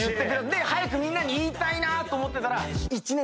早くみんなに言いたいなと思ってたら。